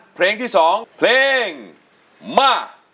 เพลงที่๒เพลงมา